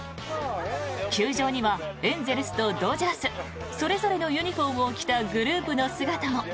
球場にはエンゼルスとドジャースそれぞれのユニホームを着たグループの姿も。